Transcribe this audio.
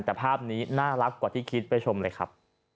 แต่ภาพนี้น่ารักกว่าที่คิดไปชมเลยครับ